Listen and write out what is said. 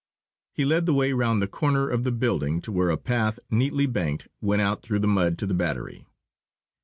He led the way round the corner of the building to where a path, neatly banked, went out through the mud to the battery.